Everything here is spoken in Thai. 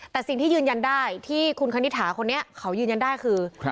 แต่สิ่งที่ยืนยันได้ที่คุณคณิตหาคนนี้เขายืนยันได้คือ